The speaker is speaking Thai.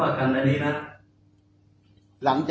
หลังจากเกิดเหตุกรัณฑ์นี้